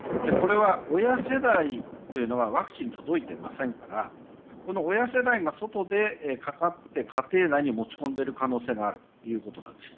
親世代というのはワクチンが届いていませんからこの親世代が外でかかって家庭内に持ち込んでいる可能性があるということなんです。